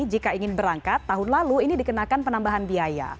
jika ingin berangkat tahun lalu ini dikenakan penambahan biaya